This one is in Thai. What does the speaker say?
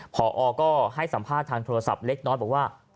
พอก็ให้สัมภาษณ์ทางโทรศัพท์เล็กน้อยบอกว่า